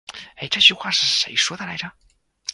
欸，这句话是谁说的来着。